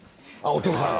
お父さん